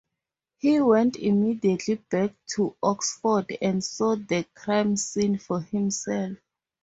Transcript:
He went immediately back to Oxford and saw the crime scene for himself.